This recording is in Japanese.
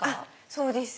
そうです。